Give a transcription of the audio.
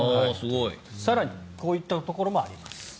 更にこういったところもあります。